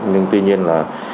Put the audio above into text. nhưng tuy nhiên là